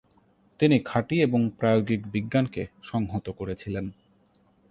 তিনি খাঁটি এবং প্রায়োগিক বিজ্ঞানকে সংহত করেছিলেন।